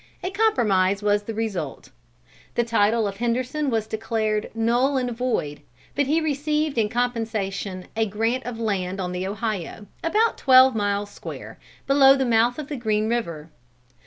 A compromise was the result. The title of Henderson was declared "null and void." But he received in compensation a grant of land on the Ohio, about twelve miles square, below the mouth of Green River.